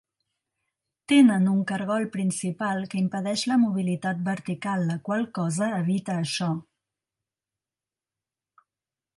Tenen un cargol principal que impedeix la mobilitat vertical, la qual cosa evita això.